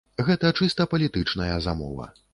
Гэта чыста палітычная замова.